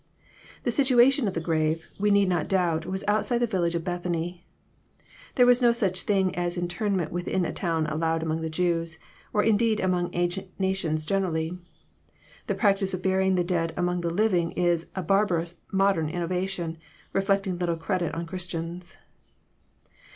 The situation of the grave, we need not doubt, was outside the village of Bethany. There was no such thing as interment ' within a town allowed among the Jews, or indeed among ancient nations generally. The practice of burying the dead among the living is a barbarous modern innovation, reflecting little credit on Christians.